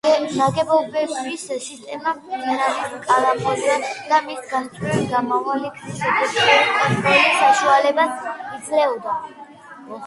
ნაგებობების სისტემა მდინარის კალაპოტზე და მის გასწვრივ გამავალი გზის ეფექტური კონტროლის საშუალებას იძლეოდა.